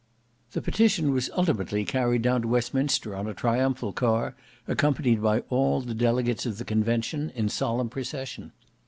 The petition was ultimately carried down to Westminster on a triumphal car accompanied by all the delegates of the Convention in solemn procession.